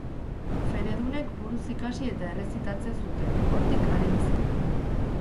Fededunek buruz ikasi eta errezitatzen zuten: hortik haren izena.